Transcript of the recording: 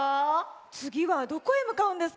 つぎはどこへむかうんですか？